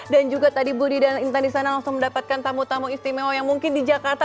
dan juga tadi budi dan intan disana langsung mendapatkan tamu tamu istimewa yang mungkin di jakarta